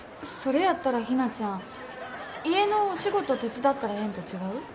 それやったらひなちゃん家のお仕事手伝ったらええんと違う？